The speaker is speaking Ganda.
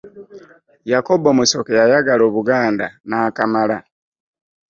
Yakobo Musoke yayagala Obuganda n'akamala.